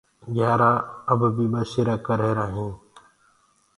گھيآرآ اب بي ٻسيرآ ڪري هينٚ